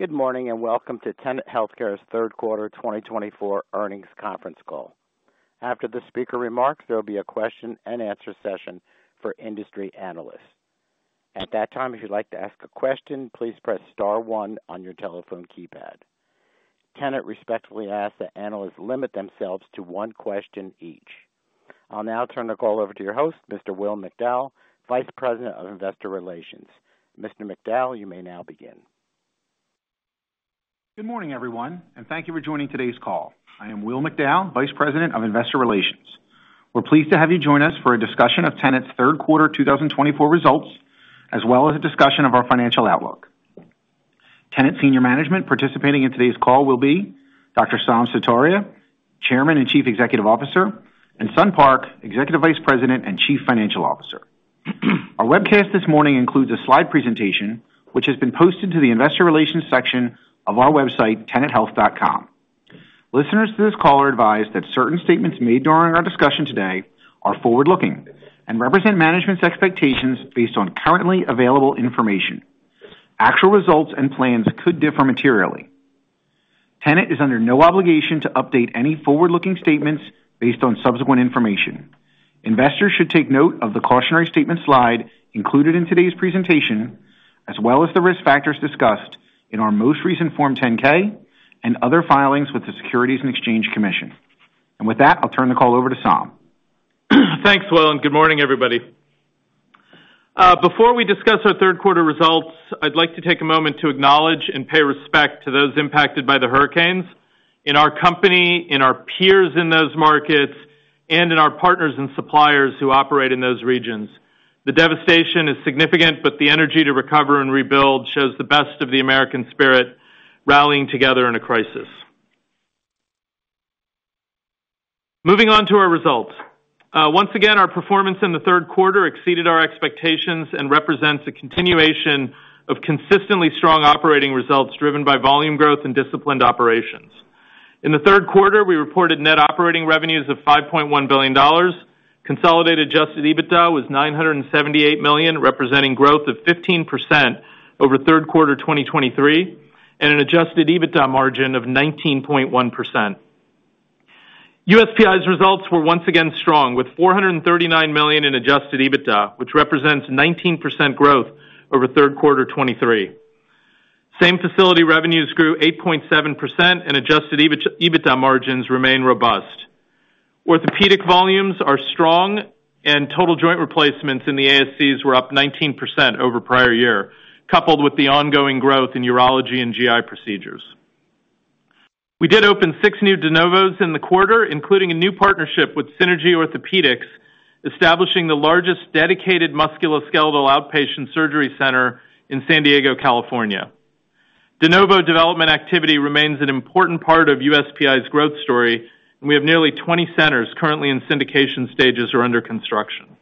Good morning and welcome to Tenet Healthcare's Third Quarter 2024 Earnings Conference Call. After the speaker remarks, there will be a question-and-answer session for industry analysts. At that time, if you'd like to ask a question, please press star one on your telephone keypad. Tenet respectfully asks that analysts limit themselves to one question each. I'll now turn the call over to your host, Mr. Will McDowell, Vice President of Investor Relations. Mr. McDowell, you may now begin. Good morning, everyone, and thank you for joining today's call. I am Will McDowell, Vice President of Investor Relations. We're pleased to have you join us for a discussion of Tenet's Third Quarter 2024 results, as well as a discussion of our financial outlook. Tenet Senior Management participating in today's call will be Dr. Saum Sutaria, Chairman and Chief Executive Officer, and Sun Park, Executive Vice President and Chief Financial Officer. Our webcast this morning includes a slide presentation, which has been posted to the Investor Relations section of our website, tenethealth.com. Listeners to this call are advised that certain statements made during our discussion today are forward-looking and represent management's expectations based on currently available information. Actual results and plans could differ materially. Tenet is under no obligation to update any forward-looking statements based on subsequent information. Investors should take note of the cautionary statement slide included in today's presentation, as well as the risk factors discussed in our most recent Form 10-K and other filings with the Securities and Exchange Commission, and with that, I'll turn the call over to Saum. Thanks, Will, and good morning, everybody. Before we discuss our third quarter results, I'd like to take a moment to acknowledge and pay respect to those impacted by the hurricanes in our company, in our peers in those markets, and in our partners and suppliers who operate in those regions. The devastation is significant, but the energy to recover and rebuild shows the best of the American spirit rallying together in a crisis. Moving on to our results. Once again, our performance in the third quarter exceeded our expectations and represents a continuation of consistently strong operating results driven by volume growth and disciplined operations. In the third quarter, we reported net operating revenues of $5.1 billion. Consolidated adjusted EBITDA was $978 million, representing growth of 15% over third quarter 2023 and an adjusted EBITDA margin of 19.1%. USPI's results were once again strong, with $439 million in Adjusted EBITDA, which represents 19% growth over third quarter 2023. Same facility revenues grew 8.7%, and Adjusted EBITDA margins remain robust. Orthopedic volumes are strong, and total joint replacements in the ASCs were up 19% over prior year, coupled with the ongoing growth in urology and GI procedures. We did open six new de novos in the quarter, including a new partnership with Synergy Orthopedics, establishing the largest dedicated musculoskeletal outpatient surgery center in San Diego, California. De novo development activity remains an important part of USPI's growth story, and we have nearly 20 centers currently in syndication stages or under construction.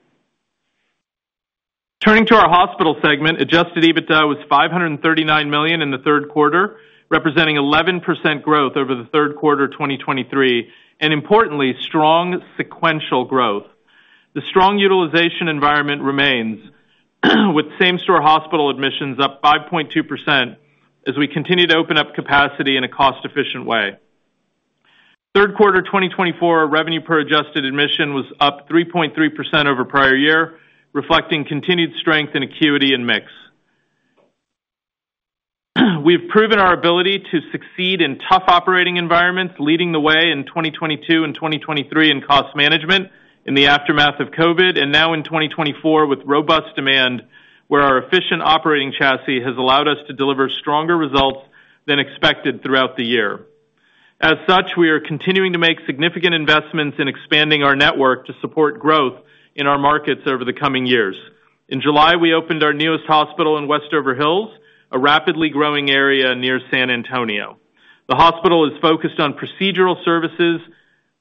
Turning to our hospital segment, Adjusted EBITDA was $539 million in the third quarter, representing 11% growth over the third quarter 2023, and importantly, strong sequential growth. The strong utilization environment remains, with same-store hospital admissions up 5.2% as we continue to open up capacity in a cost-efficient way. Third quarter 2024 revenue per adjusted admission was up 3.3% over prior year, reflecting continued strength in acuity and mix. We have proven our ability to succeed in tough operating environments, leading the way in 2022 and 2023 in cost management in the aftermath of COVID, and now in 2024 with robust demand, where our efficient operating chassis has allowed us to deliver stronger results than expected throughout the year. As such, we are continuing to make significant investments in expanding our network to support growth in our markets over the coming years. In July, we opened our newest hospital in Westover Hills, a rapidly growing area near San Antonio. The hospital is focused on procedural services,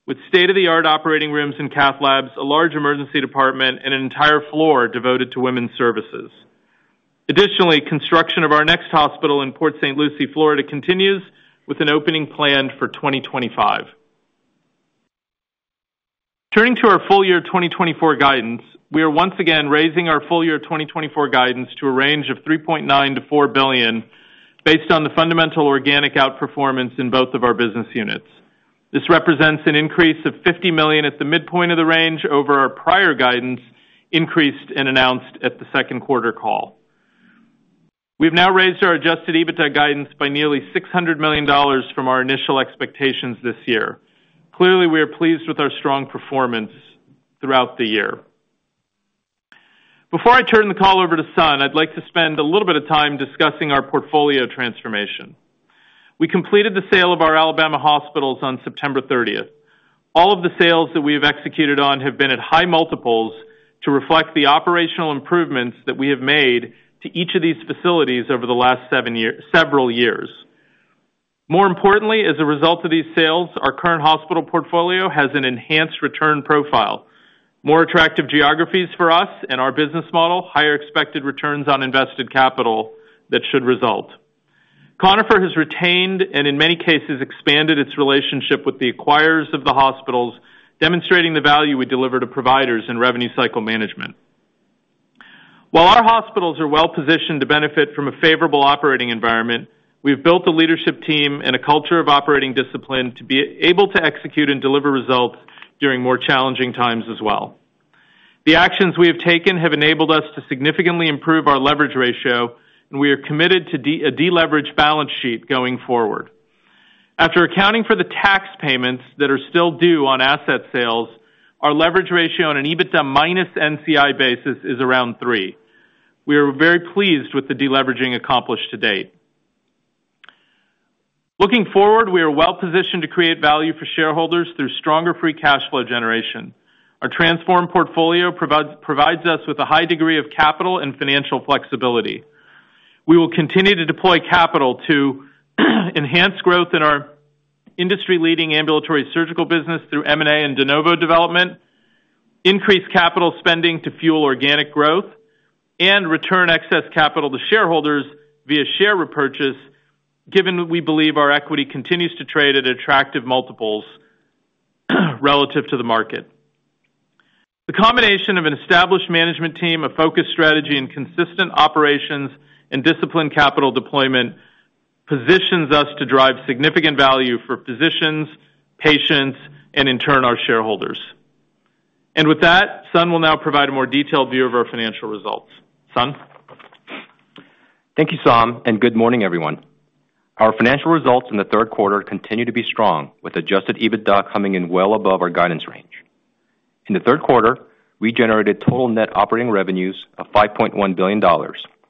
with state-of-the-art operating rooms and cath labs, a large emergency department, and an entire floor devoted to women's services. Additionally, construction of our next hospital in Port St. Lucie, Florida, continues, with an opening planned for 2025. Turning to our full year 2024 guidance, we are once again raising our full year 2024 guidance to a range of $3.9-$4 billion, based on the fundamental organic outperformance in both of our business units. This represents an increase of $50 million at the midpoint of the range over our prior guidance, increased and announced at the second quarter call. We have now raised our Adjusted EBITDA guidance by nearly $600 million from our initial expectations this year. Clearly, we are pleased with our strong performance throughout the year. Before I turn the call over to Sun, I'd like to spend a little bit of time discussing our portfolio transformation. We completed the sale of our Alabama hospitals on September 30th. All of the sales that we have executed on have been at high multiples to reflect the operational improvements that we have made to each of these facilities over the last several years. More importantly, as a result of these sales, our current hospital portfolio has an enhanced return profile. More attractive geographies for us and our business model, higher expected returns on invested capital that should result. Conifer has retained and, in many cases, expanded its relationship with the acquirers of the hospitals, demonstrating the value we deliver to providers in revenue cycle management. While our hospitals are well positioned to benefit from a favorable operating environment, we've built a leadership team and a culture of operating discipline to be able to execute and deliver results during more challenging times as well. The actions we have taken have enabled us to significantly improve our leverage ratio, and we are committed to a deleveraged balance sheet going forward. After accounting for the tax payments that are still due on asset sales, our leverage ratio on an EBITDA minus NCI basis is around three. We are very pleased with the deleveraging accomplished to date. Looking forward, we are well positioned to create value for shareholders through stronger free cash flow generation. Our transform portfolio provides us with a high degree of capital and financial flexibility. We will continue to deploy capital to enhance growth in our industry-leading ambulatory surgical business through M&A and de novo development, increase capital spending to fuel organic growth, and return excess capital to shareholders via share repurchase, given we believe our equity continues to trade at attractive multiples relative to the market. The combination of an established management team, a focused strategy, and consistent operations and disciplined capital deployment positions us to drive significant value for physicians, patients, and in turn, our shareholders. And with that, Sun will now provide a more detailed view of our financial results. Sun. Thank you, Saum, and good morning, everyone. Our financial results in the third quarter continue to be strong, with Adjusted EBITDA coming in well above our guidance range. In the third quarter, we generated total net operating revenues of $5.1 billion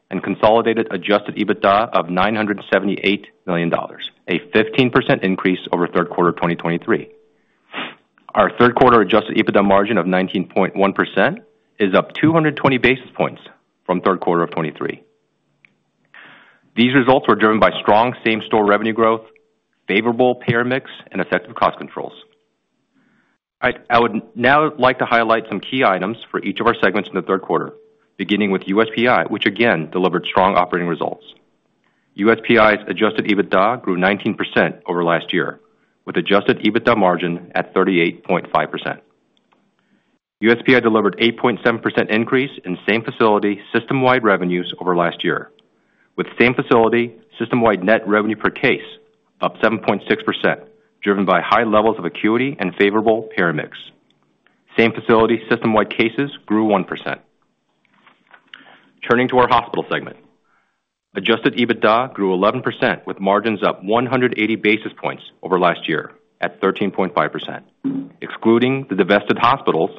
and consolidated Adjusted EBITDA of $978 million, a 15% increase over third quarter 2023. Our third quarter Adjusted EBITDA margin of 19.1% is up 220 basis points from third quarter of 2023. These results were driven by strong same-store revenue growth, favorable payer mix, and effective cost controls. I would now like to highlight some key items for each of our segments in the third quarter, beginning with USPI, which again delivered strong operating results. USPI's Adjusted EBITDA grew 19% over last year, with Adjusted EBITDA margin at 38.5%. USPI delivered an 8.7% increase in same-facility system-wide revenues over last year, with same-facility system-wide net revenue per case up 7.6%, driven by high levels of acuity and favorable payer mix. Same-facility system-wide cases grew 1%. Turning to our hospital segment, adjusted EBITDA grew 11%, with margins up 180 basis points over last year at 13.5%. Excluding the divested hospitals,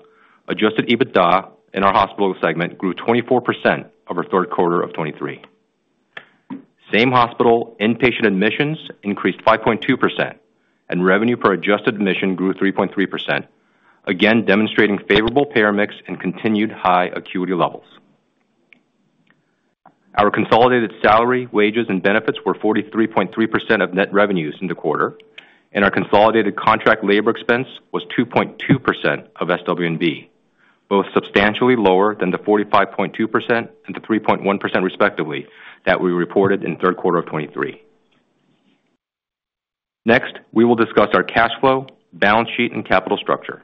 adjusted EBITDA in our hospital segment grew 24% over third quarter of 2023. Same-hospital inpatient admissions increased 5.2%, and revenue per adjusted admission grew 3.3%, again demonstrating favorable payer mix and continued high acuity levels. Our consolidated salary, wages, and benefits were 43.3% of net revenues in the quarter, and our consolidated contract labor expense was 2.2% of SW&B, both substantially lower than the 45.2% and the 3.1%, respectively, that we reported in third quarter of 2023. Next, we will discuss our cash flow, balance sheet, and capital structure.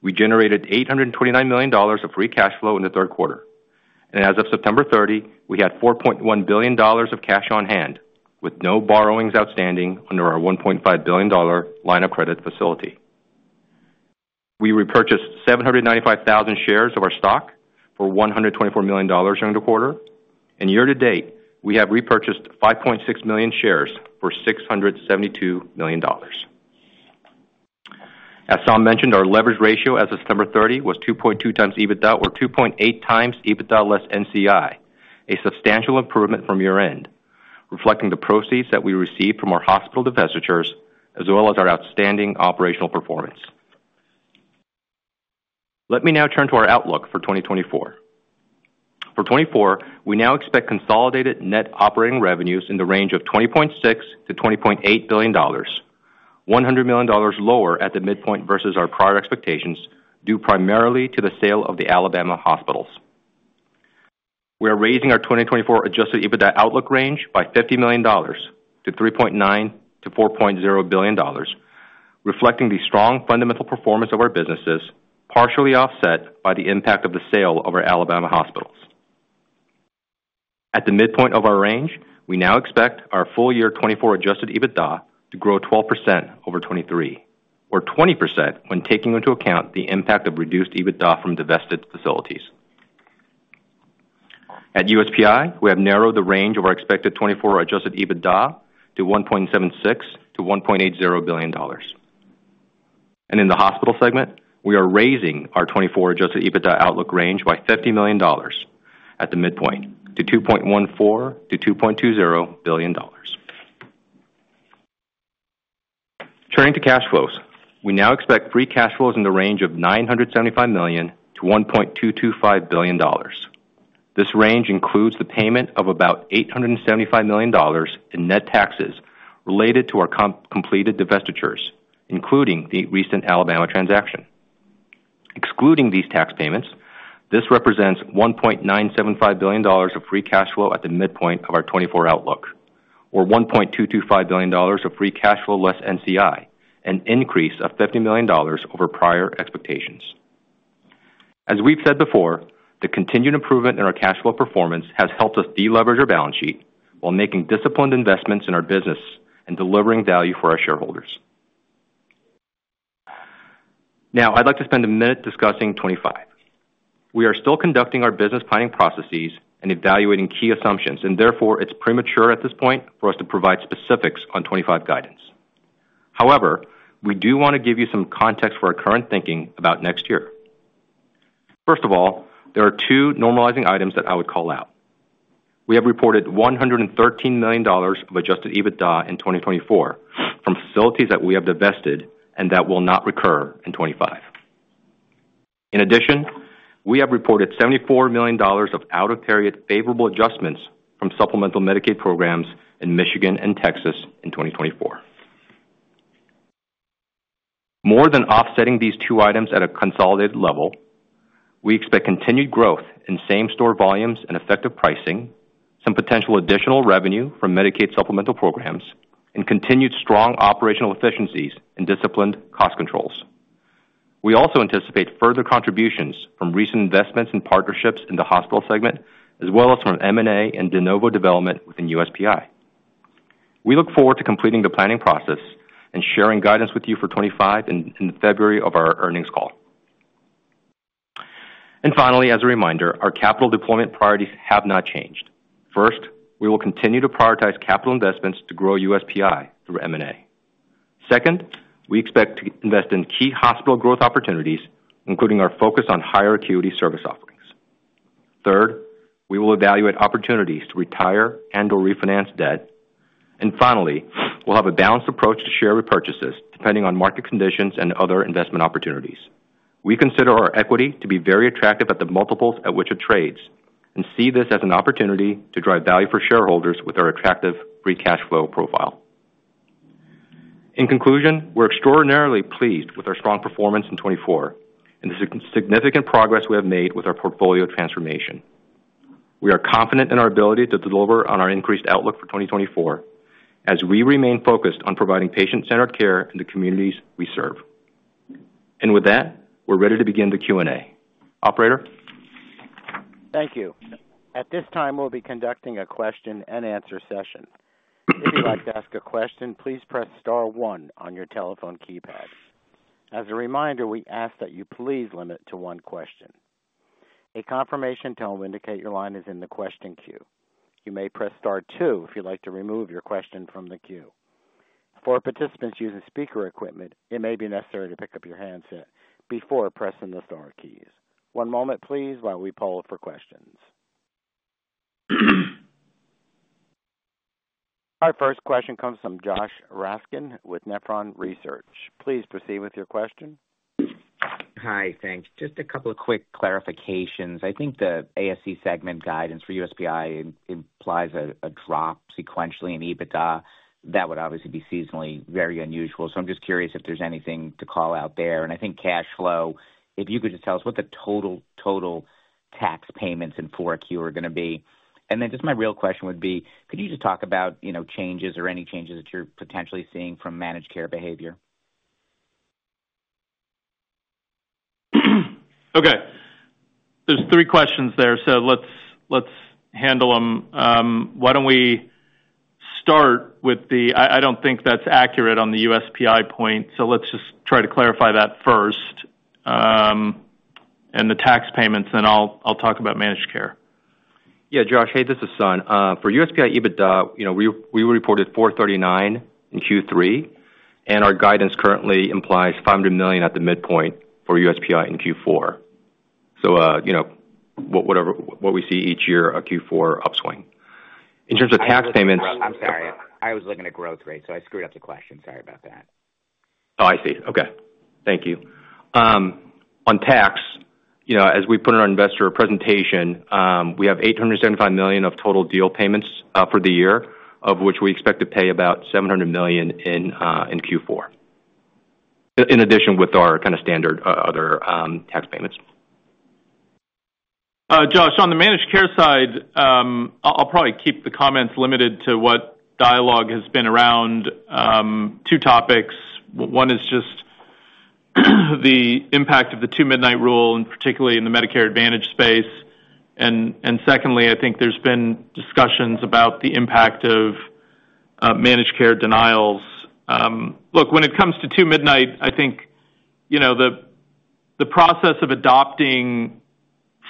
We generated $829 million of free cash flow in the third quarter, and as of September 30, we had $4.1 billion of cash on hand, with no borrowings outstanding under our $1.5 billion line of credit facility. We repurchased 795,000 shares of our stock for $124 million during the quarter, and year to date, we have repurchased 5.6 million shares for $672 million. As Saum mentioned, our leverage ratio as of September 30 was 2.2 times EBITDA, or 2.8 times EBITDA less NCI, a substantial improvement from year-end, reflecting the proceeds that we received from our hospital divestitures, as well as our outstanding operational performance. Let me now turn to our outlook for 2024. For '24, we now expect consolidated net operating revenues in the range of $20.6-$20.8 billion, $100 million lower at the midpoint versus our prior expectations, due primarily to the sale of the Alabama hospitals. We are raising our 2024 adjusted EBITDA outlook range by $50 million to $3.9-$4.0 billion, reflecting the strong fundamental performance of our businesses, partially offset by the impact of the sale of our Alabama hospitals. At the midpoint of our range, we now expect our full year 2024 adjusted EBITDA to grow 12% over 2023, or 20% when taking into account the impact of reduced EBITDA from divested facilities. At USPI, we have narrowed the range of our expected 2024 adjusted EBITDA to $1.76-$1.80 billion. In the hospital segment, we are raising our 2024 adjusted EBITDA outlook range by $50 million at the midpoint to $2.14-$2.20 billion. Turning to cash flows, we now expect free cash flows in the range of $975 million to $1.225 billion. This range includes the payment of about $875 million in net taxes related to our completed divestitures, including the recent Alabama transaction. Excluding these tax payments, this represents $1.975 billion of free cash flow at the midpoint of our 2024 outlook, or $1.225 billion of free cash flow less NCI, an increase of $50 million over prior expectations. As we've said before, the continued improvement in our cash flow performance has helped us deleverage our balance sheet while making disciplined investments in our business and delivering value for our shareholders. Now, I'd like to spend a minute discussing 2025. We are still conducting our business planning processes and evaluating key assumptions, and therefore, it's premature at this point for us to provide specifics on 2025 guidance. However, we do want to give you some context for our current thinking about next year. First of all, there are two normalizing items that I would call out. We have reported $113 million of Adjusted EBITDA in 2024 from facilities that we have divested and that will not recur in 2025. In addition, we have reported $74 million of out-of-period favorable adjustments from supplemental Medicaid programs in Michigan and Texas in 2024. More than offsetting these two items at a consolidated level, we expect continued growth in same-store volumes and effective pricing, some potential additional revenue from Medicaid supplemental programs, and continued strong operational efficiencies and disciplined cost controls. We also anticipate further contributions from recent investments and partnerships in the hospital segment, as well as from M&A and de novo development within USPI. We look forward to completing the planning process and sharing guidance with you for 2025 in February of our earnings call. And finally, as a reminder, our capital deployment priorities have not changed. First, we will continue to prioritize capital investments to grow USPI through M&A. Second, we expect to invest in key hospital growth opportunities, including our focus on higher acuity service offerings. Third, we will evaluate opportunities to retire and/or refinance debt. And finally, we'll have a balanced approach to share repurchases, depending on market conditions and other investment opportunities. We consider our equity to be very attractive at the multiples at which it trades and see this as an opportunity to drive value for shareholders with our attractive free cash flow profile. In conclusion, we're extraordinarily pleased with our strong performance in 2024 and the significant progress we have made with our portfolio transformation. We are confident in our ability to deliver on our increased outlook for 2024 as we remain focused on providing patient-centered care in the communities we serve. And with that, we're ready to begin the Q&A. Operator. Thank you. At this time, we'll be conducting a question-and-answer session. If you'd like to ask a question, please press Star 1 on your telephone keypad. As a reminder, we ask that you please limit to one question. A confirmation tone will indicate your line is in the question queue. You may press Star 2 if you'd like to remove your question from the queue. For participants using speaker equipment, it may be necessary to pick up your handset before pressing the Star keys. One moment, please, while we poll for questions. Our first question comes from Josh Raskin, with Nephron Research. Please proceed with your question. Hi, thanks. Just a couple of quick clarifications. I think the ASC segment guidance for USPI implies a drop sequentially in EBITDA. That would obviously be seasonally very unusual. So I'm just curious if there's anything to call out there. And I think cash flow, if you could just tell us what the total tax payments in Q4 are going to be. And then just my real question would be, could you just talk about changes or any changes that you're potentially seeing from managed care behavior? Okay. There's three questions there, so let's handle them. Why don't we start with the. I don't think that's accurate on the USPI point, so let's just try to clarify that first and the tax payments, and then I'll talk about managed care. Yeah, Josh, hey, this is Sun. For USPI EBITDA, we reported $439 million in Q3, and our guidance currently implies $500 million at the midpoint for USPI in Q4. So what we see each year, a Q4 upswing. In terms of tax payments. I'm sorry. I was looking at growth rate, so I screwed up the question. Sorry about that. Oh, I see. Okay. Thank you. On tax, as we put in our investor presentation, we have $875 million of total deal payments for the year, of which we expect to pay about $700 million in Q4, in addition with our kind of standard other tax payments. Josh, on the managed care side, I'll probably keep the comments limited to what dialogue has been around two topics. One is just the impact of the Two Midnight Rule, and particularly in the Medicare Advantage space. And secondly, I think there's been discussions about the impact of managed care denials. Look, when it comes to Two Midnight, I think the process of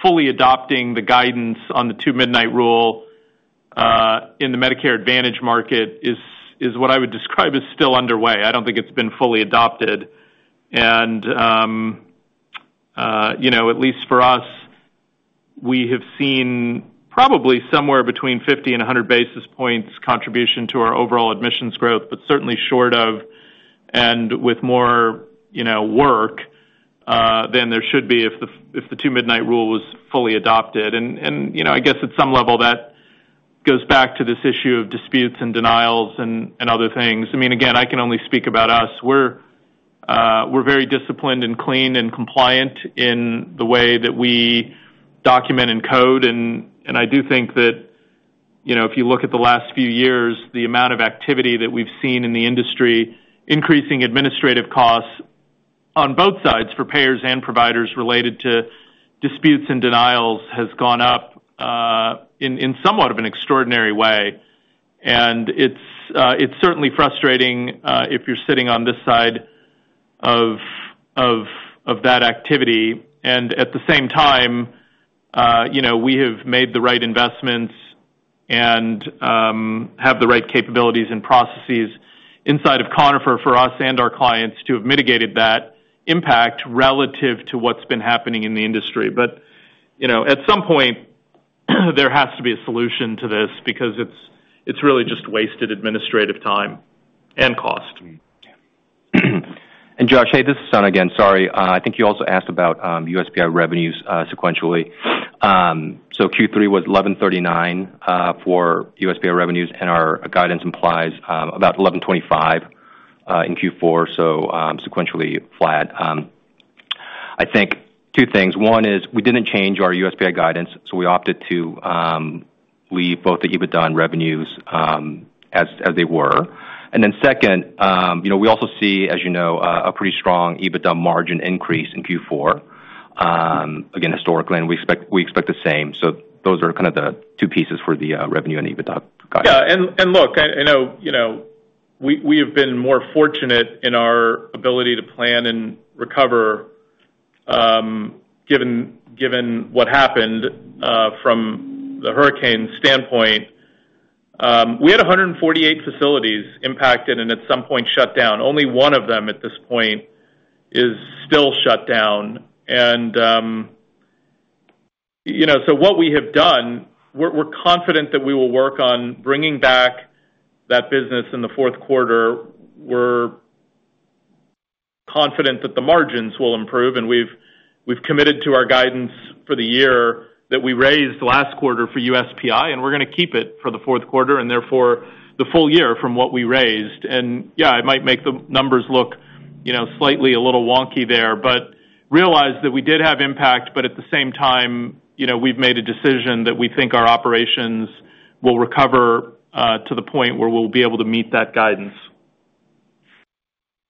fully adopting the guidance on the Two Midnight Rule in the Medicare Advantage market is what I would describe as still underway. I don't think it's been fully adopted. And at least for us, we have seen probably somewhere between 50 and 100 basis points contribution to our overall admissions growth, but certainly short of and with more work than there should be if the Two Midnight Rule was fully adopted. I guess at some level, that goes back to this issue of disputes and denials and other things. I mean, again, I can only speak about us. We're very disciplined and clean and compliant in the way that we document and code. And I do think that if you look at the last few years, the amount of activity that we've seen in the industry, increasing administrative costs on both sides for payers and providers related to disputes and denials has gone up in somewhat of an extraordinary way. And it's certainly frustrating if you're sitting on this side of that activity. And at the same time, we have made the right investments and have the right capabilities and processes inside of Conifer for us and our clients to have mitigated that impact relative to what's been happening in the industry. But at some point, there has to be a solution to this because it's really just wasted administrative time and cost. Josh, hey, this is Sun again. Sorry. I think you also asked about USPI revenues sequentially. Q3 was $1,139 million for USPI revenues, and our guidance implies about $1,125 million in Q4, so sequentially flat. I think two things. One is we didn't change our USPI guidance, so we opted to leave both the EBITDA and revenues as they were. Then second, we also see, as you know, a pretty strong EBITDA margin increase in Q4, again, historically, and we expect the same. Those are kind of the two pieces for the revenue and EBITDA guidance. Yeah. And look, I know we have been more fortunate in our ability to plan and recover given what happened from the hurricane standpoint. We had 148 facilities impacted and at some point shut down. Only one of them at this point is still shut down. And so what we have done, we're confident that we will work on bringing back that business in the fourth quarter. We're confident that the margins will improve, and we've committed to our guidance for the year that we raised last quarter for USPI, and we're going to keep it for the fourth quarter and therefore the full year from what we raised. Yeah, it might make the numbers look slightly a little wonky there, but realize that we did have impact. But at the same time, we've made a decision that we think our operations will recover to the point where we'll be able to meet that guidance.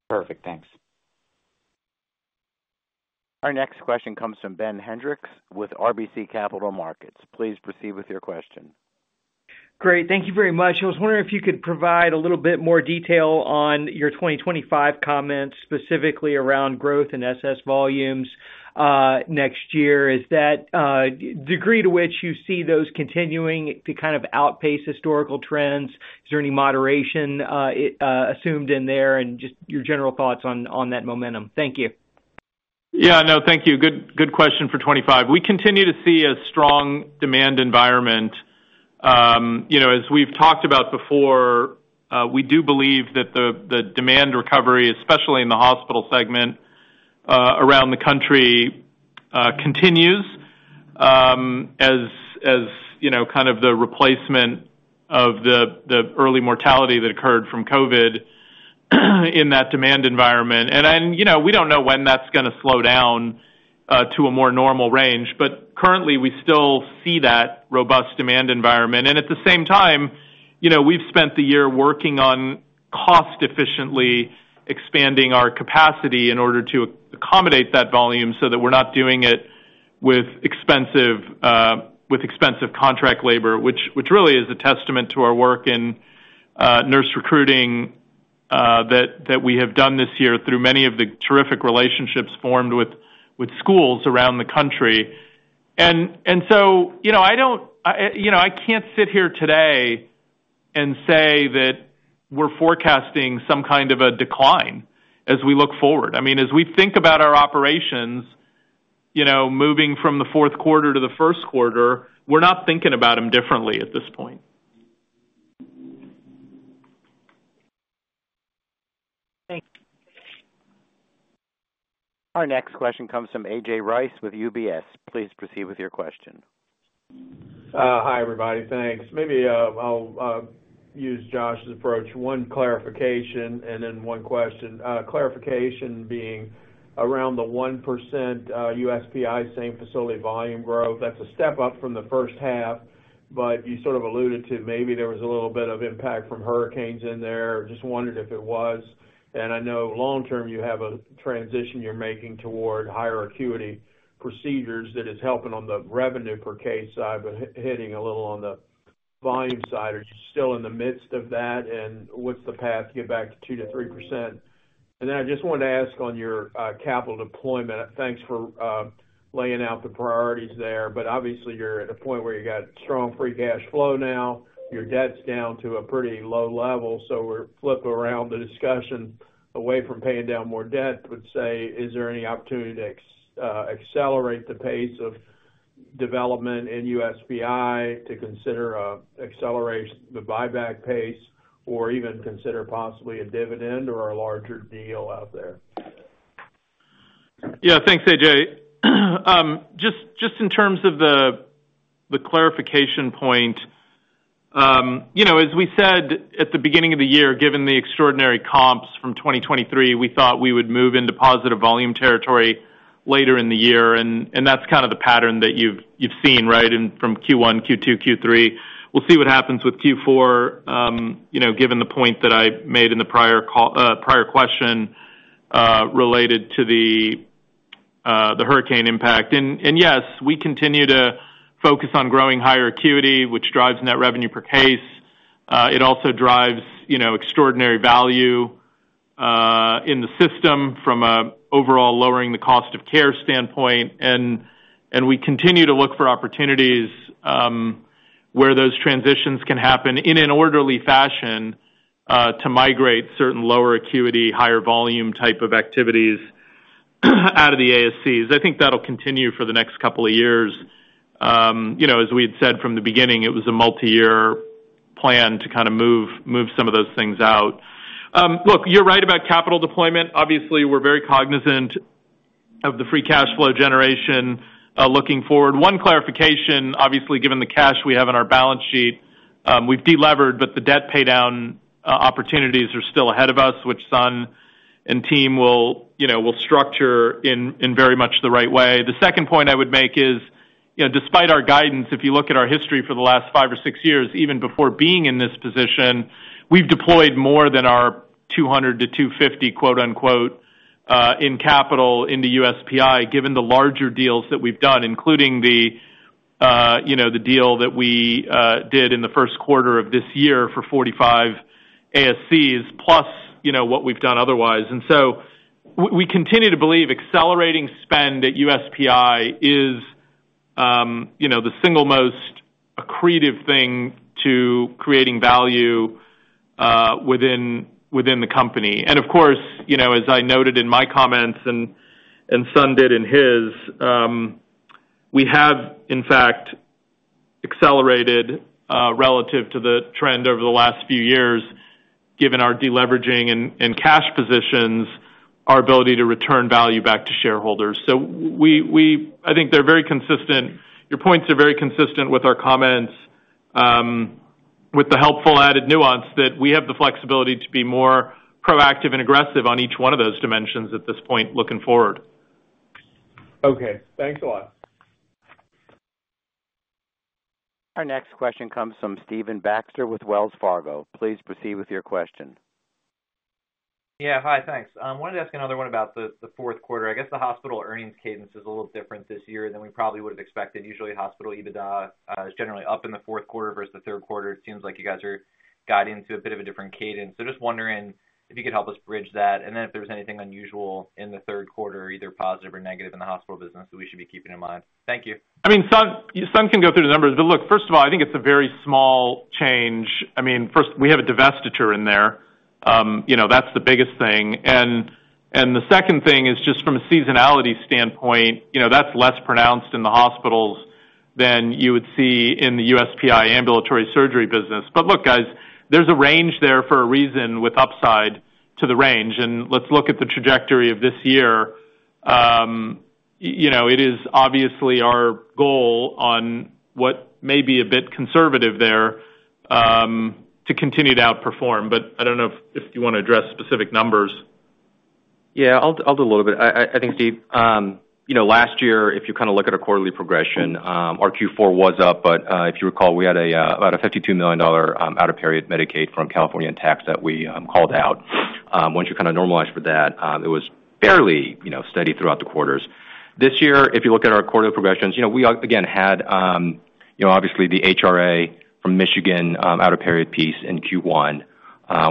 Perfect. Thanks. Our next question comes from Ben Hendricks with RBC Capital Markets. Please proceed with your question. Great. Thank you very much. I was wondering if you could provide a little bit more detail on your 2025 comments specifically around growth and SS volumes next year. Is the degree to which you see those continuing to kind of outpace historical trends? Is there any moderation assumed in there and just your general thoughts on that momentum? Thank you. Yeah. No, thank you. Good question for 2025. We continue to see a strong demand environment. As we've talked about before, we do believe that the demand recovery, especially in the hospital segment around the country, continues as kind of the replacement of the early mortality that occurred from COVID in that demand environment. And we don't know when that's going to slow down to a more normal range, but currently, we still see that robust demand environment. And at the same time, we've spent the year working on cost-efficiently expanding our capacity in order to accommodate that volume so that we're not doing it with expensive contract labor, which really is a testament to our work in nurse recruiting that we have done this year through many of the terrific relationships formed with schools around the country. And so I can't sit here today and say that we're forecasting some kind of a decline as we look forward. I mean, as we think about our operations moving from the fourth quarter to the first quarter, we're not thinking about them differently at this point. Thanks. Our next question comes from AJ Rice with UBS. Please proceed with your question. Hi, everybody. Thanks. Maybe I'll use Josh's approach. One clarification and then one question. Clarification being around the 1% USPI same facility volume growth. That's a step up from the first half, but you sort of alluded to maybe there was a little bit of impact from hurricanes in there. Just wondered if it was. And I know long-term, you have a transition you're making toward higher acuity procedures that is helping on the revenue per case side, but hitting a little on the volume side. Are you still in the midst of that? And what's the path to get back to 2%-3%? And then I just wanted to ask on your capital deployment. Thanks for laying out the priorities there. But obviously, you're at a point where you got strong free cash flow now. Your debt's down to a pretty low level. We're flipping around the discussion away from paying down more debt, but say, is there any opportunity to accelerate the pace of development in USPI to consider accelerating the buyback pace or even consider possibly a dividend or a larger deal out there? Yeah. Thanks, AJ. Just in terms of the clarification point, as we said at the beginning of the year, given the extraordinary comps from 2023, we thought we would move into positive volume territory later in the year. And that's kind of the pattern that you've seen, right, from Q1, Q2, Q3. We'll see what happens with Q4, given the point that I made in the prior question related to the hurricane impact. And yes, we continue to focus on growing higher acuity, which drives net revenue per case. It also drives extraordinary value in the system from an overall lowering the cost of care standpoint. And we continue to look for opportunities where those transitions can happen in an orderly fashion to migrate certain lower acuity, higher volume type of activities out of the ASCs. I think that'll continue for the next couple of years. As we had said from the beginning, it was a multi-year plan to kind of move some of those things out. Look, you're right about capital deployment. Obviously, we're very cognizant of the free cash flow generation looking forward. One clarification, obviously, given the cash we have in our balance sheet, we've delevered, but the debt paydown opportunities are still ahead of us, which Sun and team will structure in very much the right way. The second point I would make is, despite our guidance, if you look at our history for the last five or six years, even before being in this position, we've deployed more than our 200 to 250, quote-unquote, in capital into USPI, given the larger deals that we've done, including the deal that we did in the first quarter of this year for 45 ASCs, plus what we've done otherwise. And so we continue to believe accelerating spend at USPI is the single most accretive thing to creating value within the company. And of course, as I noted in my comments and Sun did in his, we have, in fact, accelerated relative to the trend over the last few years, given our deleveraging and cash positions, our ability to return value back to shareholders. So I think they're very consistent. Your points are very consistent with our comments, with the helpful added nuance that we have the flexibility to be more proactive and aggressive on each one of those dimensions at this point looking forward. Okay. Thanks a lot. Our next question comes from Stephen Baxter with Wells Fargo. Please proceed with your question. Yeah. Hi. Thanks. I wanted to ask another one about the fourth quarter. I guess the hospital earnings cadence is a little different this year than we probably would have expected. Usually, hospital EBITDA is generally up in the fourth quarter versus the third quarter. It seems like you guys are guiding to a bit of a different cadence. So just wondering if you could help us bridge that. And then if there's anything unusual in the third quarter, either positive or negative in the hospital business that we should be keeping in mind. Thank you. I mean, Sun can go through the numbers. But look, first of all, I think it's a very small change. I mean, first, we have a divestiture in there. That's the biggest thing. And the second thing is just from a seasonality standpoint, that's less pronounced in the hospitals than you would see in the USPI ambulatory surgery business. But look, guys, there's a range there for a reason with upside to the range. And let's look at the trajectory of this year. It is obviously our goal on what may be a bit conservative there to continue to outperform. But I don't know if you want to address specific numbers. Yeah. I'll do a little bit. I think, Steve, last year, if you kind of look at our quarterly progression, our Q4 was up. But if you recall, we had about a $52 million out-of-period Medicaid from California in Q4 that we called out. Once you kind of normalize for that, it was fairly steady throughout the quarters. This year, if you look at our quarterly progressions, we again had, obviously, the HRA from Michigan out-of-period piece in Q1.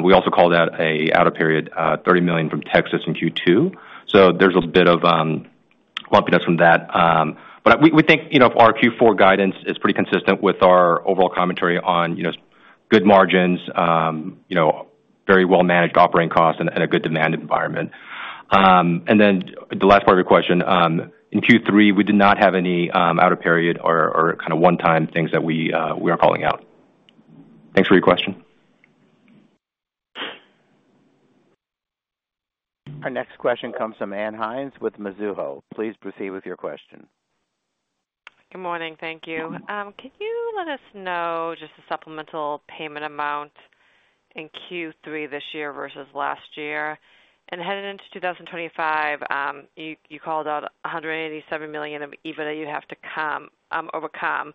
We also called out an out-of-period $30 million from Texas in Q2. So there's a bit of bumpiness from that. But we think our Q4 guidance is pretty consistent with our overall commentary on good margins, very well-managed operating costs, and a good demand environment. And then the last part of your question, in Q3, we did not have any out-of-period or kind of one-time things that we are calling out. Thanks for your question. Our next question comes from Ann Hynes with Mizuho. Please proceed with your question. Good morning. Thank you. Can you let us know just a supplemental payment amount in Q3 this year versus last year? And heading into 2025, you called out 187 million of EBITDA you'd have to overcome.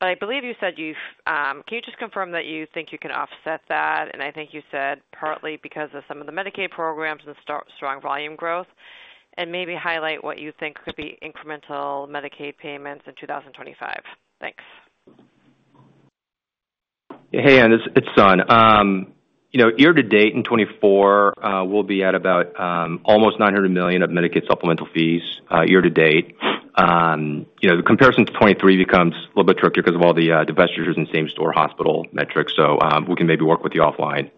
But I believe you said you can just confirm that you think you can offset that? And I think you said partly because of some of the Medicaid programs and strong volume growth, and maybe highlight what you think could be incremental Medicaid payments in 2025. Thanks. Hey, Ann. It's Sun. Year to date in 2024, we'll be at about almost $900 million of Medicaid supplemental fees year to date. The comparison to 2023 becomes a little bit trickier because of all the divestitures and same-store hospital metrics. So we can maybe work with you offline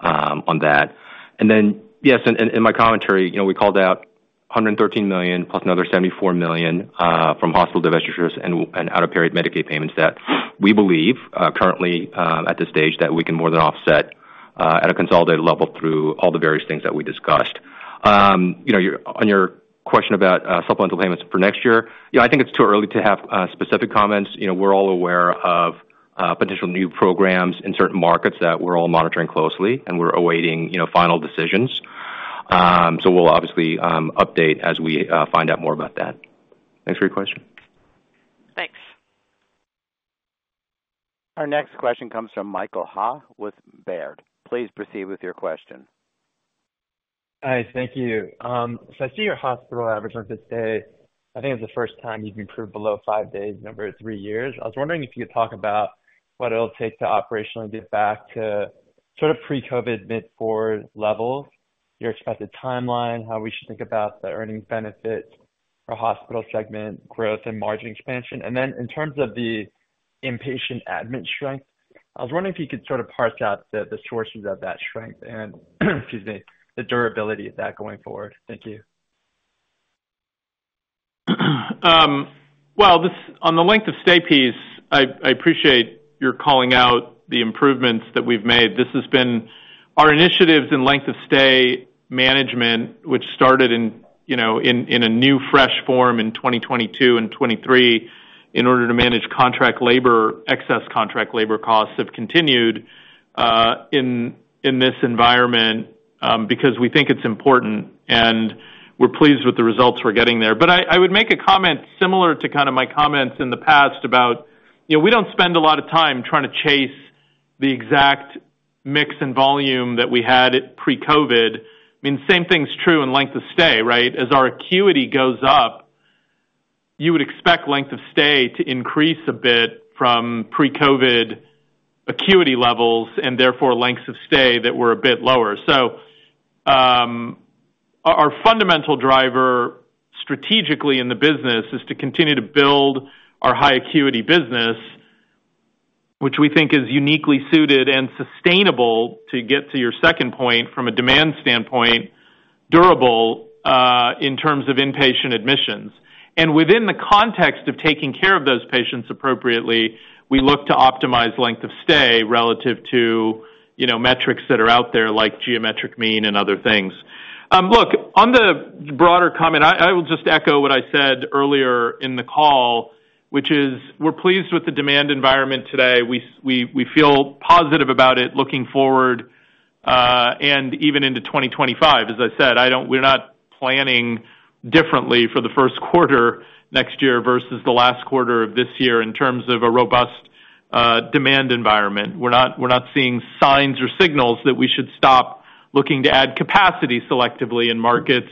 on that. And then, yes, in my commentary, we called out $113 million plus another $74 million from hospital divestitures and out-of-period Medicaid payments that we believe currently at this stage that we can more than offset at a consolidated level through all the various things that we discussed. On your question about supplemental payments for next year, I think it's too early to have specific comments. We're all aware of potential new programs in certain markets that we're all monitoring closely, and we're awaiting final decisions. So we'll obviously update as we find out more about that. Thanks for your question. Thanks. Our next question comes from Michael Ha with Baird. Please proceed with your question. Hi. Thank you. So I see your hospital average on this day. I think it's the first time you've improved below five days in over three years. I was wondering if you could talk about what it'll take to operationally get back to sort of pre-COVID mid-four levels, your expected timeline, how we should think about the earnings benefits, our hospital segment growth, and margin expansion. And then in terms of the inpatient admin strength, I was wondering if you could sort of parse out the sources of that strength and, excuse me, the durability of that going forward. Thank you. On the length of stay piece, I appreciate your calling out the improvements that we've made. This has been our initiatives in length of stay management, which started in a new fresh form in 2022 and 2023 in order to manage contract labor. Excess contract labor costs have continued in this environment because we think it's important, and we're pleased with the results we're getting there. But I would make a comment similar to kind of my comments in the past about we don't spend a lot of time trying to chase the exact mix and volume that we had pre-COVID. I mean, same thing's true in length of stay, right? As our acuity goes up, you would expect length of stay to increase a bit from pre-COVID acuity levels and therefore lengths of stay that were a bit lower. So our fundamental driver strategically in the business is to continue to build our high acuity business, which we think is uniquely suited and sustainable to get to your second point from a demand standpoint, durable in terms of inpatient admissions. And within the context of taking care of those patients appropriately, we look to optimize length of stay relative to metrics that are out there like geometric mean and other things. Look, on the broader comment, I will just echo what I said earlier in the call, which is we're pleased with the demand environment today. We feel positive about it looking forward and even into 2025. As I said, we're not planning differently for the first quarter next year versus the last quarter of this year in terms of a robust demand environment. We're not seeing signs or signals that we should stop looking to add capacity selectively in markets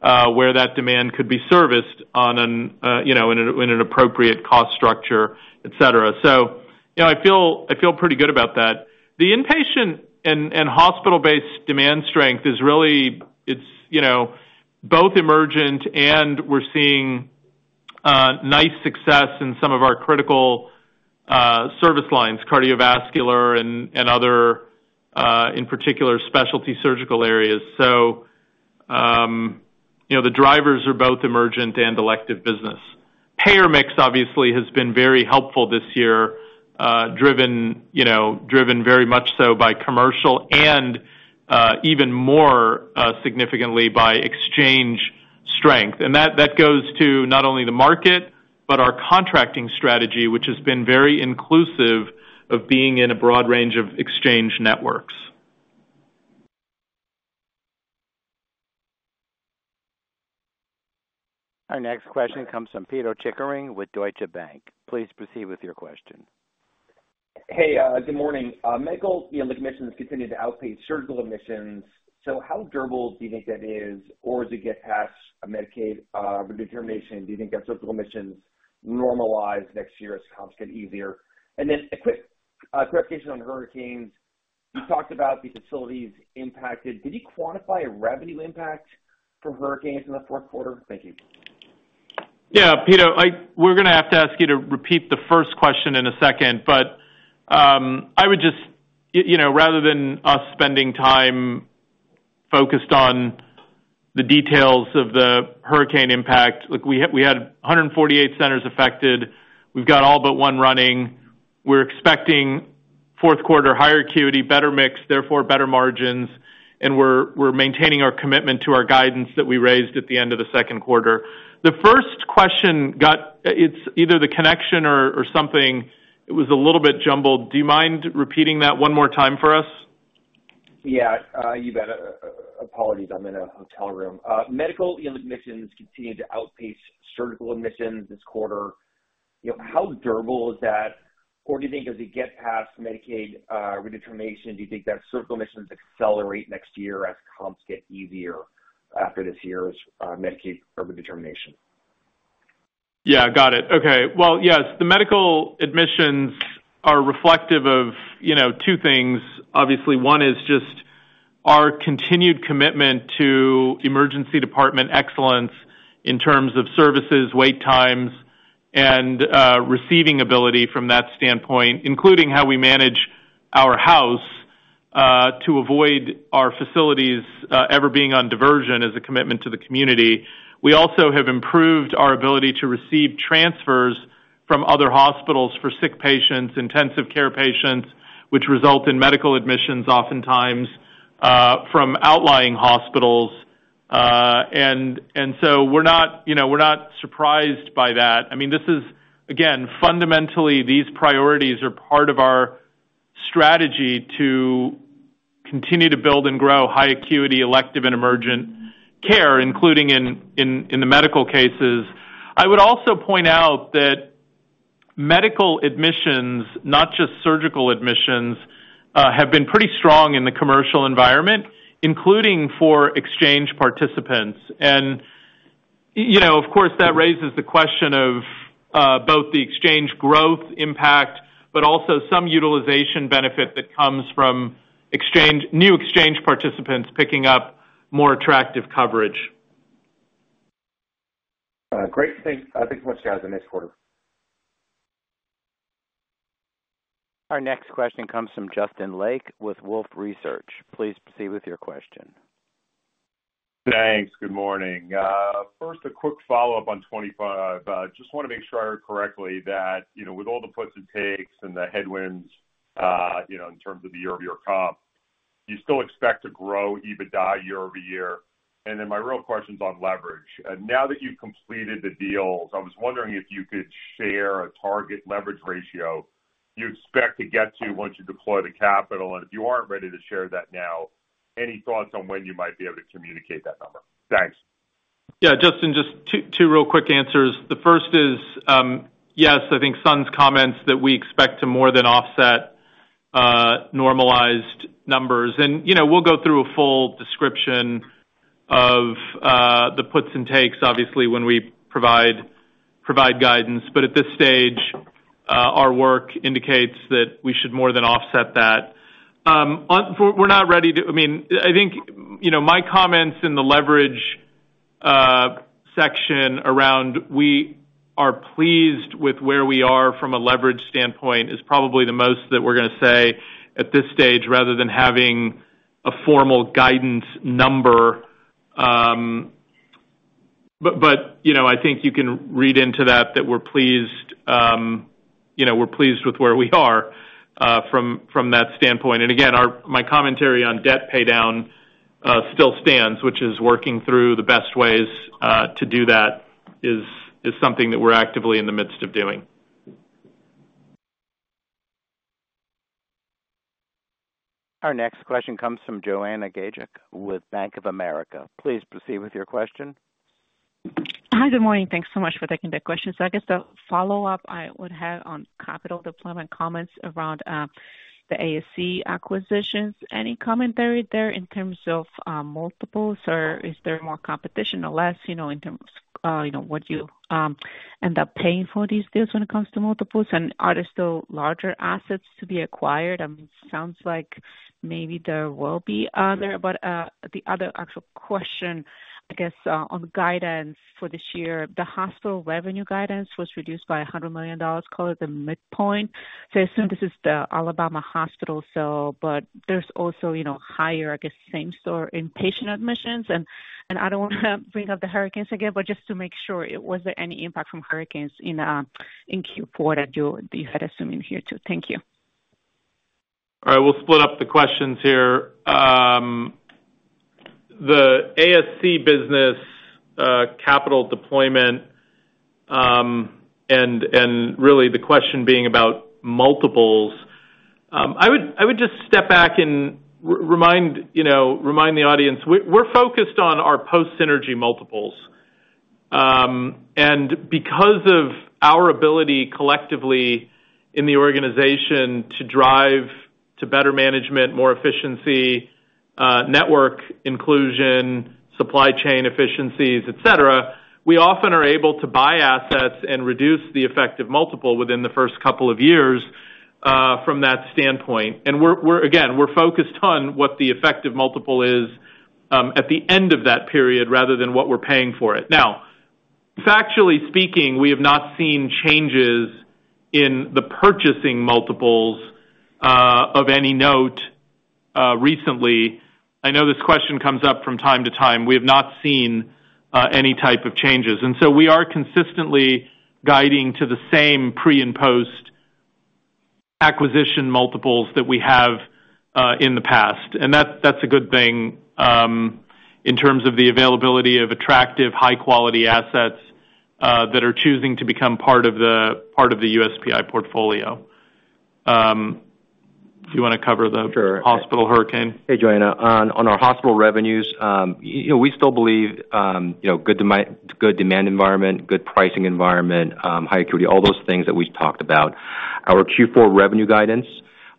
where that demand could be serviced in an appropriate cost structure, etc. So I feel pretty good about that. The inpatient and hospital-based demand strength is really both emergent, and we're seeing nice success in some of our critical service lines, cardiovascular and other, in particular, specialty surgical areas. So the drivers are both emergent and elective business. Payer mix, obviously, has been very helpful this year, driven very much so by commercial and even more significantly by exchange strength. And that goes to not only the market, but our contracting strategy, which has been very inclusive of being in a broad range of exchange networks. Our next question comes from Peter Chickering with Deutsche Bank. Please proceed with your question. Hey, good morning. Michael, the admissions continue to outpace surgical admissions. So how durable do you think that is? Or does it get past a Medicaid determination? Do you think that surgical admissions normalize next year as comps get easier? And then a quick clarification on hurricanes. You talked about the facilities impacted. Did you quantify a revenue impact for hurricanes in the fourth quarter? Thank you. Yeah, Peter, we're going to have to ask you to repeat the first question in a second. But I would just, rather than us spending time focused on the details of the hurricane impact, look, we had 148 centers affected. We've got all but one running. We're expecting fourth quarter higher acuity, better mix, therefore better margins. And we're maintaining our commitment to our guidance that we raised at the end of the second quarter. The first question got either the connection or something. It was a little bit jumbled. Do you mind repeating that one more time for us? Yeah. You bet. Apologies. I'm in a hotel room. Medical admissions continue to outpace surgical admissions this quarter. How durable is that? Or do you think as we get past Medicaid redetermination, do you think that surgical admissions accelerate next year as comps get easier after this year's Medicaid determination? Yeah. Got it. Okay. Well, yes, the medical admissions are reflective of two things. Obviously, one is just our continued commitment to emergency department excellence in terms of services, wait times, and receiving ability from that standpoint, including how we manage our house to avoid our facilities ever being on diversion as a commitment to the community. We also have improved our ability to receive transfers from other hospitals for sick patients, intensive care patients, which result in medical admissions oftentimes from outlying hospitals. And so we're not surprised by that. I mean, this is, again, fundamentally, these priorities are part of our strategy to continue to build and grow high acuity, elective, and emergent care, including in the medical cases. I would also point out that medical admissions, not just surgical admissions, have been pretty strong in the commercial environment, including for exchange participants. Of course, that raises the question of both the exchange growth impact, but also some utilization benefit that comes from new exchange participants picking up more attractive coverage. Great. Thanks. Thanks so much, guys, on this quarter. Our next question comes from Justin Lake with Wolfe Research. Please proceed with your question. Thanks. Good morning. First, a quick follow-up on 2025. Just want to make sure I heard correctly that with all the puts and takes and the headwinds in terms of the year-over-year comp, you still expect to grow EBITDA year-over-year. And then my real question's on leverage. Now that you've completed the deals, I was wondering if you could share a target leverage ratio you expect to get to once you deploy the capital. And if you aren't ready to share that now, any thoughts on when you might be able to communicate that number? Thanks. Yeah. Justin, just two real quick answers. The first is, yes, I think Sun's comments that we expect to more than offset normalized numbers. And we'll go through a full description of the puts and takes, obviously, when we provide guidance. But at this stage, our work indicates that we should more than offset that. We're not ready to, I mean, I think my comments in the leverage section around we are pleased with where we are from a leverage standpoint is probably the most that we're going to say at this stage rather than having a formal guidance number. But I think you can read into that that we're pleased with where we are from that standpoint. And again, my commentary on debt paydown still stands, which is working through the best ways to do that is something that we're actively in the midst of doing. Our next question comes from Joanna Gajuk with Bank of America. Please proceed with your question. Hi. Good morning. Thanks so much for taking that question. So I guess the follow-up I would have on capital deployment comments around the ASC acquisitions. Any commentary there in terms of multiples, or is there more competition or less in terms of what you end up paying for these deals when it comes to multiples? And are there still larger assets to be acquired? I mean, it sounds like maybe there will be other. But the other actual question, I guess, on guidance for this year, the hospital revenue guidance was reduced by $100 million, called it the midpoint. So I assume this is the Alabama hospitals, but there's also higher, I guess, same-store inpatient admissions. And I don't want to bring up the hurricanes again, but just to make sure, was there any impact from hurricanes in Q4 that you had assumed here too? Thank you. All right. We'll split up the questions here. The ASC business capital deployment and really the question being about multiples, I would just step back and remind the audience we're focused on our post-synergy multiples, and because of our ability collectively in the organization to drive to better management, more efficiency, network inclusion, supply chain efficiencies, etc., we often are able to buy assets and reduce the effective multiple within the first couple of years from that standpoint, and again, we're focused on what the effective multiple is at the end of that period rather than what we're paying for it. Now, factually speaking, we have not seen changes in the purchasing multiples of any note recently. I know this question comes up from time to time. We have not seen any type of changes. And so we are consistently guiding to the same pre- and post-acquisition multiples that we have in the past. And that's a good thing in terms of the availability of attractive, high-quality assets that are choosing to become part of the USPI portfolio. Do you want to cover the hospital hurricane? Sure. Hey, Joanna. On our hospital revenues, we still believe good demand environment, good pricing environment, high acuity, all those things that we've talked about. Our Q4 revenue guidance,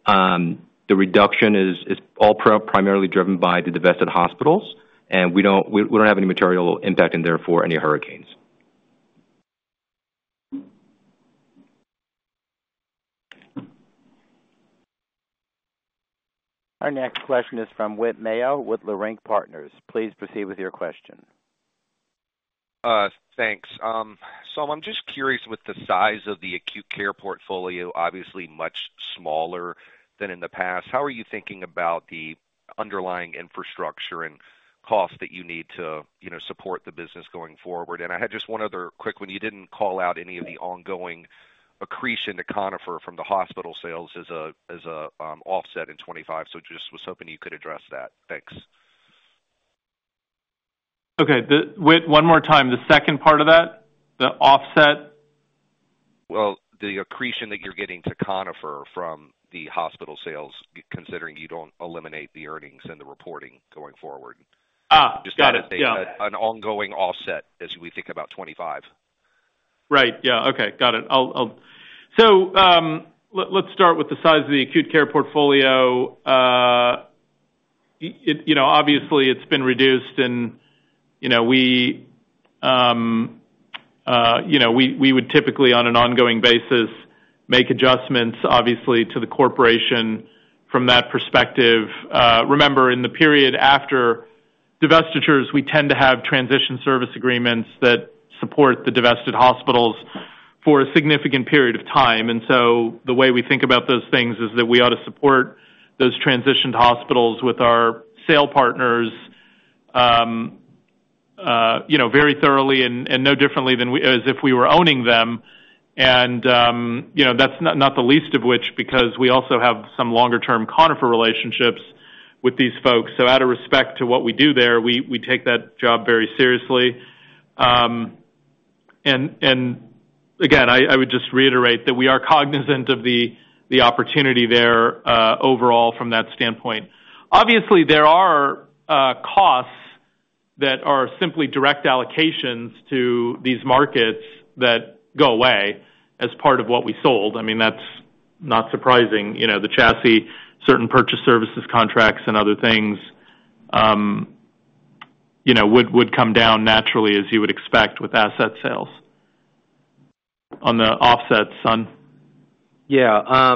the reduction is all primarily driven by the divested hospitals, and we don't have any material impact and therefore any hurricanes. Our next question is from Whit Mayo with Leerink Partners. Please proceed with your question. Thanks. So I'm just curious with the size of the acute care portfolio, obviously much smaller than in the past. How are you thinking about the underlying infrastructure and cost that you need to support the business going forward? And I had just one other quick one. You didn't call out any of the ongoing accretion to Conifer from the hospital sales as an offset in 2025. So just was hoping you could address that. Thanks. Okay. One more time. The second part of that, the offset? The accretion that you're getting to Conifer from the hospital sales, considering you don't eliminate the earnings and the reporting going forward. got it. Just got to think of an ongoing offset as we think about 2025. Right. Yeah. Okay. Got it. So let's start with the size of the acute care portfolio. Obviously, it's been reduced, and we would typically, on an ongoing basis, make adjustments, obviously, to the corporation from that perspective. Remember, in the period after divestitures, we tend to have transition service agreements that support the divested hospitals for a significant period of time. And so the way we think about those things is that we ought to support those transitioned hospitals with our sale partners very thoroughly and no differently than as if we were owning them. And that's not the least of which because we also have some longer-term Conifer relationships with these folks. So out of respect to what we do there, we take that job very seriously. And again, I would just reiterate that we are cognizant of the opportunity there overall from that standpoint. Obviously, there are costs that are simply direct allocations to these markets that go away as part of what we sold. I mean, that's not surprising. The chassis, certain purchased services contracts, and other things would come down naturally, as you would expect, with asset sales. On the offset, Sun? Yeah.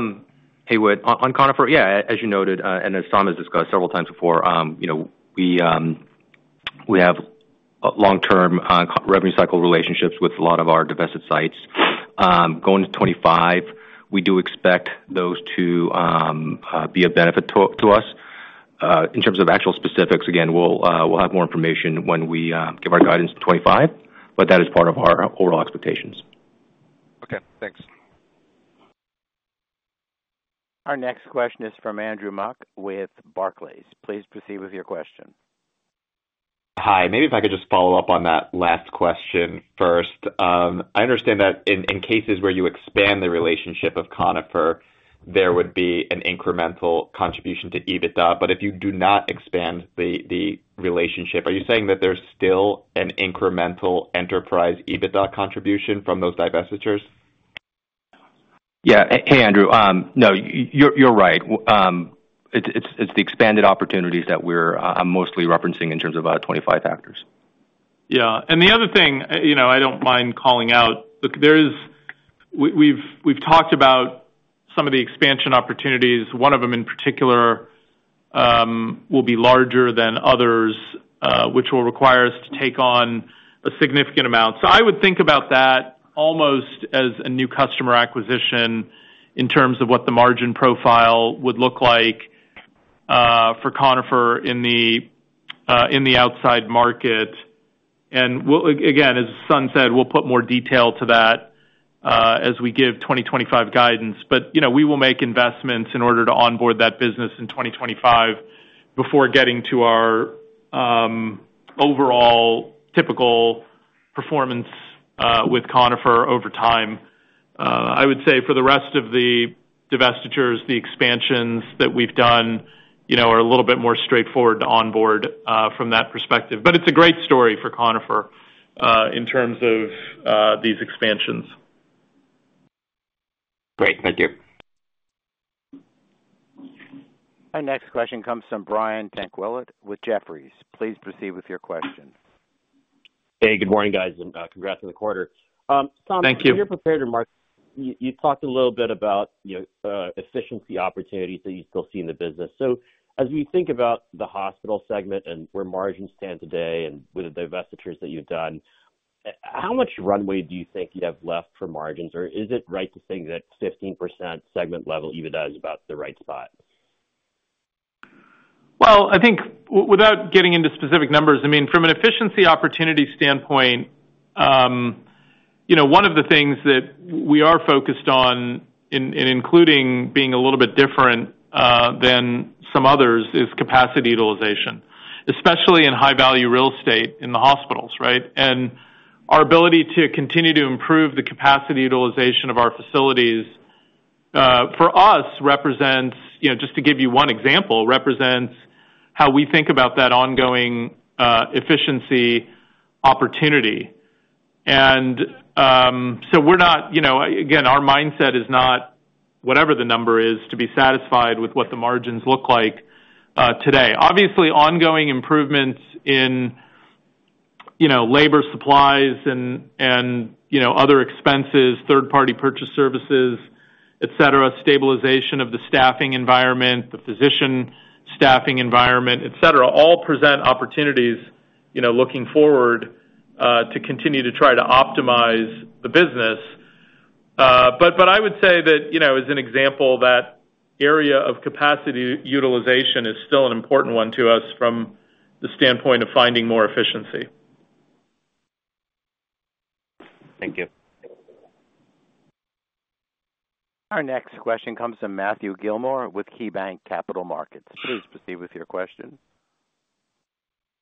Hey, Whit. On Conifer, yeah, as you noted, and as Saum has discussed several times before, we have long-term revenue cycle relationships with a lot of our divested sites. Going to 2025, we do expect those to be a benefit to us. In terms of actual specifics, again, we'll have more information when we give our guidance in 2025, but that is part of our overall expectations. Okay. Thanks. Our next question is from Andrew Mok with Barclays. Please proceed with your question. Hi. Maybe if I could just follow up on that last question first. I understand that in cases where you expand the relationship of Conifer, there would be an incremental contribution to EBITDA. But if you do not expand the relationship, are you saying that there's still an incremental enterprise EBITDA contribution from those divestitures? Yeah. Hey, Andrew. No, you're right. It's the expanded opportunities that I'm mostly referencing in terms of 2025 factors. Yeah. And the other thing I don't mind calling out, we've talked about some of the expansion opportunities. One of them, in particular, will be larger than others, which will require us to take on a significant amount. So I would think about that almost as a new customer acquisition in terms of what the margin profile would look like for Conifer in the outside market. And again, as Sun said, we'll put more detail to that as we give 2025 guidance. But we will make investments in order to onboard that business in 2025 before getting to our overall typical performance with Conifer over time. I would say for the rest of the divestitures, the expansions that we've done are a little bit more straightforward to onboard from that perspective. But it's a great story for Conifer in terms of these expansions. Great. Thank you. Our next question comes from Brian Tanquilut with Jefferies. Please proceed with your question. Hey, good morning, guys, and congrats on the quarter. Thank you. Tom, when you presented to the market, you talked a little bit about efficiency opportunities that you still see in the business. So as we think about the hospital segment and where margins stand today and with the divestitures that you've done, how much runway do you think you have left for margins? Or is it right to say that 15% segment-level EBITDA is about the right spot? I think without getting into specific numbers, I mean, from an efficiency opportunity standpoint, one of the things that we are focused on, including being a little bit different than some others, is capacity utilization, especially in high-value real estate in the hospitals, right?, and our ability to continue to improve the capacity utilization of our facilities for us, just to give you one example, represents how we think about that ongoing efficiency opportunity, and so we're not, again, our mindset is not whatever the number is to be satisfied with what the margins look like today. Obviously, ongoing improvements in labor supplies and other expenses, third-party purchase services, etc., stabilization of the staffing environment, the physician staffing environment, etc., all present opportunities looking forward to continue to try to optimize the business. But I would say that, as an example, that area of capacity utilization is still an important one to us from the standpoint of finding more efficiency. Thank you. Our next question comes from Matthew Gillmor with KeyBanc Capital Markets. Please proceed with your question.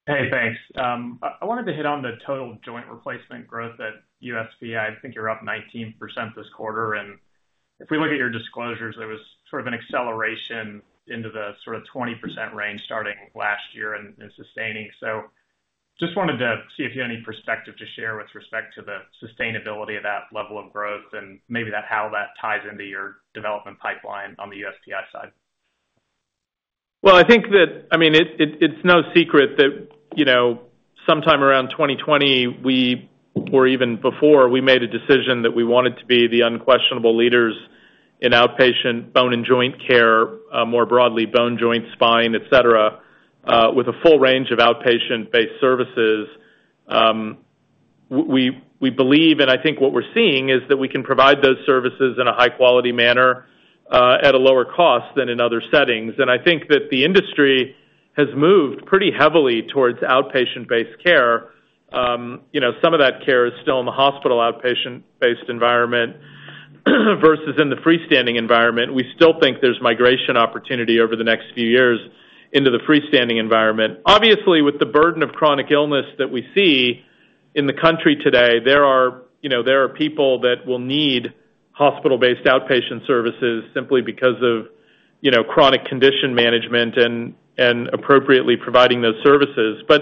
Hey, thanks. I wanted to hit on the total joint replacement growth at USPI. I think you're up 19% this quarter. And if we look at your disclosures, there was sort of an acceleration into the sort of 20% range starting last year and sustaining. So just wanted to see if you had any perspective to share with respect to the sustainability of that level of growth and maybe how that ties into your development pipeline on the USPI side. I think that, I mean, it's no secret that sometime around 2020, or even before, we made a decision that we wanted to be the unquestionable leaders in outpatient bone and joint care, more broadly, bone, joint, spine, etc., with a full range of outpatient-based services. We believe, and I think what we're seeing is that we can provide those services in a high-quality manner at a lower cost than in other settings. I think that the industry has moved pretty heavily towards outpatient-based care. Some of that care is still in the hospital outpatient-based environment versus in the freestanding environment. We still think there's migration opportunity over the next few years into the freestanding environment. Obviously, with the burden of chronic illness that we see in the country today, there are people that will need hospital-based outpatient services simply because of chronic condition management and appropriately providing those services. But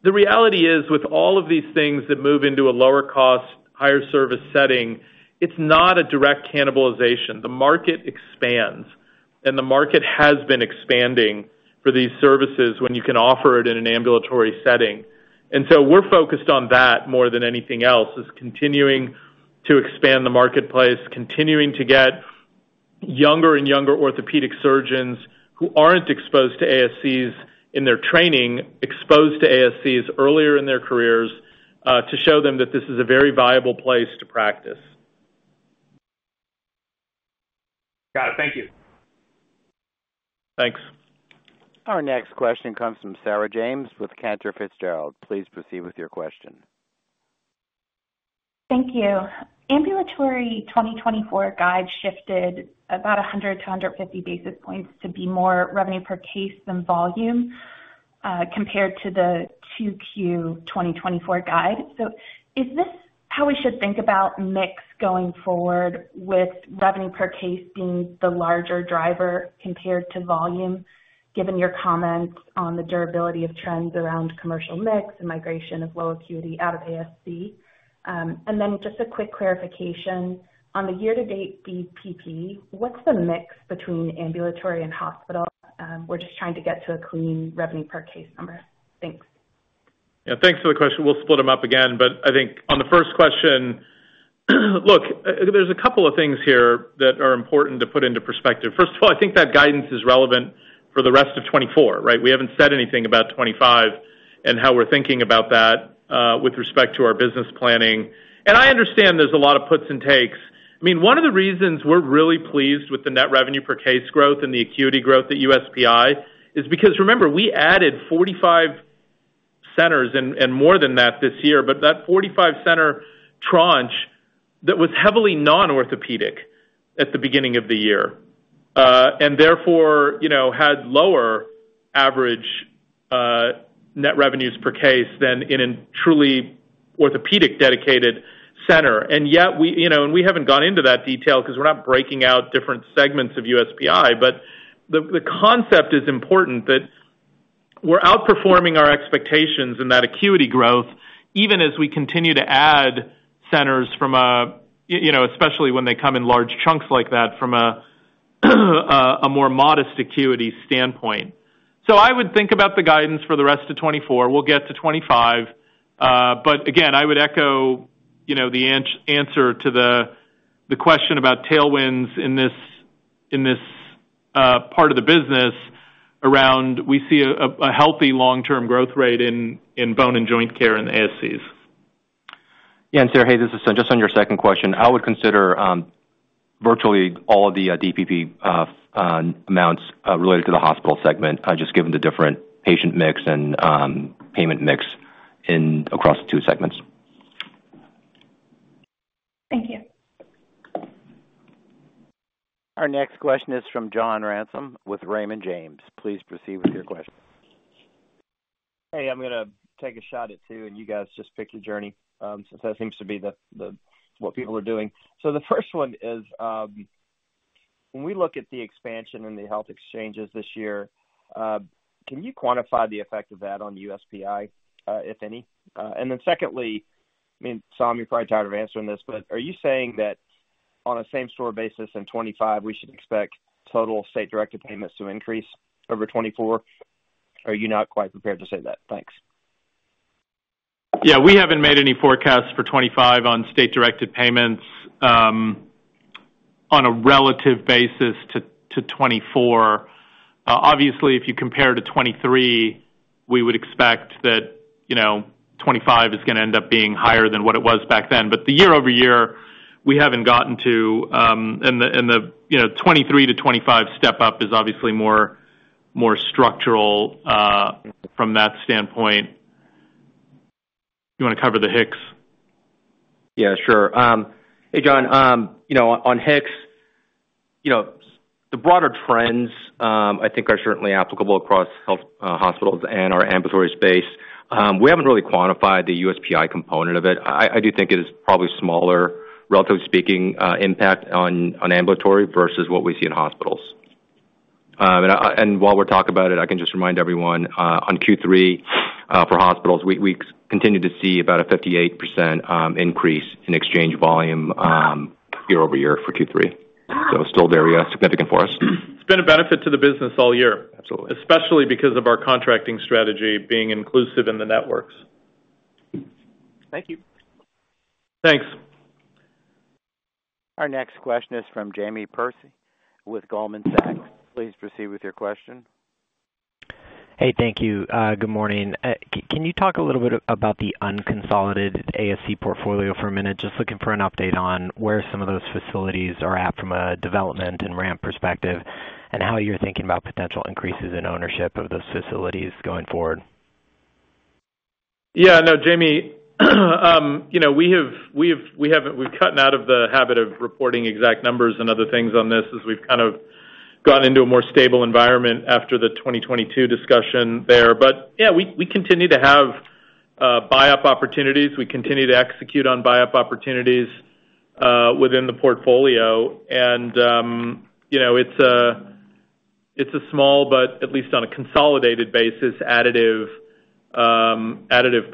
the reality is, with all of these things that move into a lower-cost, higher-service setting, it's not a direct cannibalization. The market expands, and the market has been expanding for these services when you can offer it in an ambulatory setting. And so we're focused on that more than anything else, is continuing to expand the marketplace, continuing to get younger and younger orthopedic surgeons who aren't exposed to ASCs in their training, exposed to ASCs earlier in their careers to show them that this is a very viable place to practice. Got it. Thank you. Thanks. Our next question comes from Sarah James with Cantor Fitzgerald. Please proceed with your question. Thank you. Ambulatory 2024 guide shifted about 100-150 basis points to be more revenue per case than volume compared to the 2Q 2024 guide. So is this how we should think about mix going forward, with revenue per case being the larger driver compared to volume, given your comments on the durability of trends around commercial mix and migration of low acuity out of ASC? And then just a quick clarification. On the year-to-date DPP, what's the mix between ambulatory and hospital? We're just trying to get to a clean revenue per case number. Thanks. Yeah. Thanks for the question. We'll split them up again, but I think on the first question, look, there's a couple of things here that are important to put into perspective. First of all, I think that guidance is relevant for the rest of 2024, right? We haven't said anything about 2025 and how we're thinking about that with respect to our business planning, and I understand there's a lot of puts and takes. I mean, one of the reasons we're really pleased with the net revenue per case growth and the acuity growth at USPI is because, remember, we added 45 centers and more than that this year, but that 45-center tranche that was heavily non-orthopedic at the beginning of the year and therefore had lower average net revenues per case than in a truly orthopedic dedicated center. And yet, we haven't gone into that detail because we're not breaking out different segments of USPI, but the concept is important that we're outperforming our expectations in that acuity growth, even as we continue to add centers, especially when they come in large chunks like that from a more modest acuity standpoint. So I would think about the guidance for the rest of 2024. We'll get to 2025. But again, I would echo the answer to the question about tailwinds in this part of the business around we see a healthy long-term growth rate in bone and joint care in the ASCs. Yeah, and Sarah, hey, this is Sun. Just on your second question, I would consider virtually all of the DPP amounts related to the hospital segment, just given the different patient mix and payment mix across the two segments. Thank you. Our next question is from John Ransom with Raymond James. Please proceed with your question. Hey, I'm going to take a shot at two, and you guys just pick your journey since that seems to be what people are doing. So the first one is, when we look at the expansion in the health exchanges this year, can you quantify the effect of that on USPI, if any? And then secondly, I mean, Tom, you're probably tired of answering this, but are you saying that on a same-store basis in 2025, we should expect total state-directed payments to increase over 2024? Are you not quite prepared to say that? Thanks. Yeah. We haven't made any forecasts for 2025 on state-directed payments on a relative basis to 2024. Obviously, if you compare to 2023, we would expect that 2025 is going to end up being higher than what it was back then. But the year-over-year, we haven't gotten to, and the 2023 to 2025 step-up is obviously more structural from that standpoint. You want to cover the HHIX? Yeah, sure. Hey, John, on HIX, the broader trends I think are certainly applicable across hospitals and our ambulatory space. We haven't really quantified the USPI component of it. I do think it is probably smaller, relatively speaking, impact on ambulatory versus what we see in hospitals. And while we're talking about it, I can just remind everyone on Q3 for hospitals, we continue to see about a 58% increase in exchange volume year-over-year for Q3, so still very significant for us. It's been a benefit to the business all year, especially because of our contracting strategy being inclusive in the networks. Thank you. Thanks. Our next question is from Jamie Perse with Goldman Sachs. Please proceed with your question. Hey, thank you. Good morning. Can you talk a little bit about the unconsolidated ASC portfolio for a minute? Just looking for an update on where some of those facilities are at from a development and ramp perspective and how you're thinking about potential increases in ownership of those facilities going forward? Yeah. No, Jamie, we've cut out of the habit of reporting exact numbers and other things on this as we've kind of gotten into a more stable environment after the 2022 discussion there. But yeah, we continue to have buy-up opportunities. We continue to execute on buy-up opportunities within the portfolio. And it's a small, but at least on a consolidated basis, additive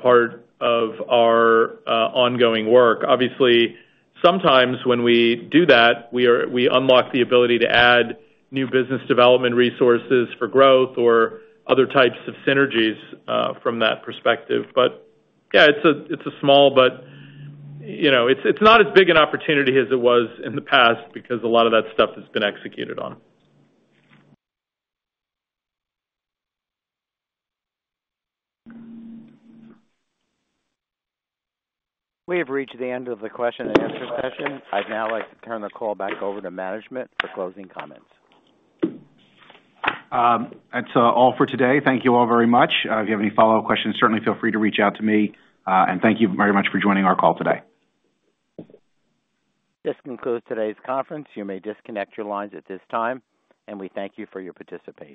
part of our ongoing work. Obviously, sometimes when we do that, we unlock the ability to add new business development resources for growth or other types of synergies from that perspective. But yeah, it's a small, but it's not as big an opportunity as it was in the past because a lot of that stuff has been executed on. We have reached the end of the question-and-answer session. I'd now like to turn the call back over to management for closing comments. That's all for today. Thank you all very much. If you have any follow-up questions, certainly feel free to reach out to me. And thank you very much for joining our call today. This concludes today's conference. You may disconnect your lines at this time, and we thank you for your participation.